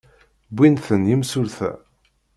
Wwin-ten yimsulta.